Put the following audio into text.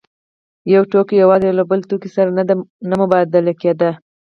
یو توکی یوازې له یو بل توکي سره نه مبادله کېده